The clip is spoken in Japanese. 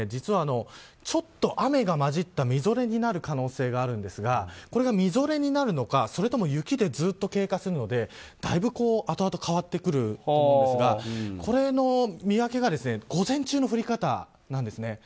ちょっと雨が混じったみぞれになる可能性があるんですがこれがみぞれになるのかそれとも雪でずっと経過するかであとあと変わってくるんですがこれの見分けが午前中の降り方なんです。